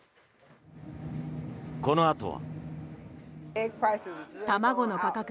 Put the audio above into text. このあとは。